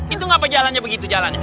itu ngapa jalannya begitu jalan